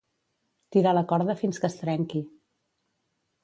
Tirar la corda fins que es trenqui.